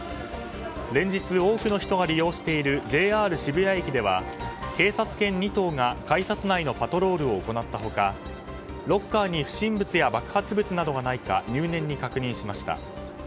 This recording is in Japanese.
連日多くの人が利用しているＪＲ渋谷駅では警察犬２頭が改札内のパトロールを行ったほかロッカーに不審物や爆発物などがないか入念に確認しました。